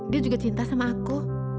dia juga cinta sama aku